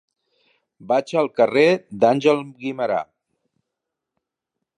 Vaig al carrer d'Àngel Guimerà.